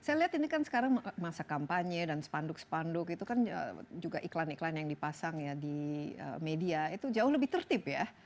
saya lihat ini kan sekarang masa kampanye dan spanduk spanduk itu kan juga iklan iklan yang dipasang ya di media itu jauh lebih tertib ya